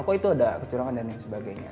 kok itu ada kecurangan dan lain sebagainya